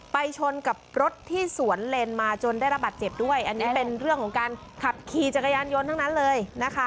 ชนกับรถที่สวนเลนมาจนได้ระบัดเจ็บด้วยอันนี้เป็นเรื่องของการขับขี่จักรยานยนต์ทั้งนั้นเลยนะคะ